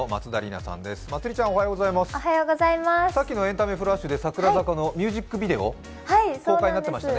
さっきのエンタメフラッシュで櫻坂のミュージックビデオが公開になってましたね。